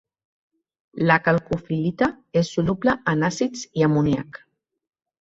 La calcofil·lita és soluble en àcids i amoníac.